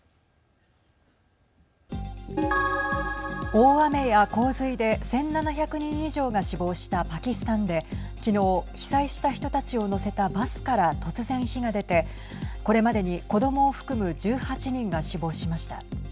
大雨や洪水で１７００人以上が死亡したパキスタンで昨日被災した人たちを乗せたバスから突然火が出て、これまでに子どもを含む１８人が死亡しました。